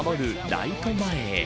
ライト前へ。